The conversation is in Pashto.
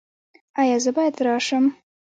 ایا زه باید راشم؟